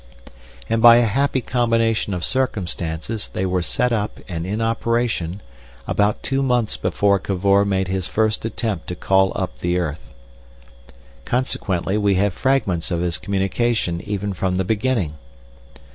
And by a happy combination of circumstances they were set up and in operation about two months before Cavor made his first attempt to call up the earth. Consequently we have fragments of his communication even from the beginning.